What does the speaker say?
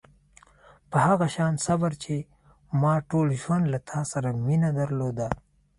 په هغه شان صبر چې ما ټول ژوند له تا سره مینه درلوده.